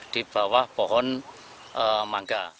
di bawah pohon mangga